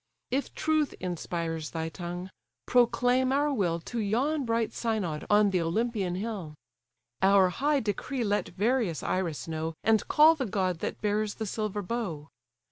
If truth inspires thy tongue, proclaim our will To yon bright synod on the Olympian hill; Our high decree let various Iris know, And call the god that bears the silver bow.